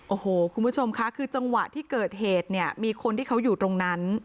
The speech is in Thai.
โอ้โหคุณผู้ชมค่ะคือจังหวะที่เกิดเหตุเนี่ยมีคนที่เขาอยู่ตรงนั้น